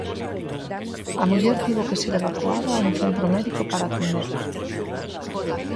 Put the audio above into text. A muller tivo que ser evacuada a un centro médico para atendela.